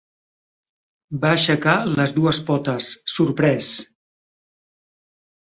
Va aixecar les dues potes, sorprès.